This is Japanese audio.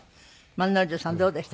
万之丞さんどうでしたか？